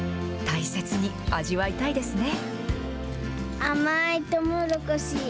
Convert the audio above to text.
大切に味わいたいですね。